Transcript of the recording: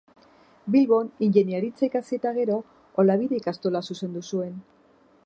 Bilbon ingeniaritza ikasi eta gero, Olabide ikastola zuzendu zuen.